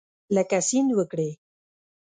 لکه سیند وکرې